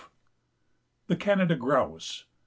THE CANADA GROUSE.